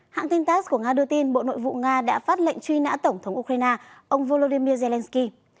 hãng tin tass của nga đưa tin bộ nội vụ nga đã phát lệnh truy nã tổng thống ukraine ông volodymyr zelensky